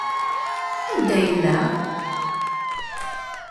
Anda yella?